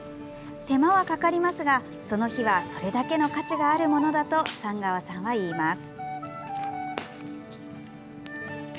手間はかかりますが、その火はそれだけの価値があるものだと寒川さんは言います。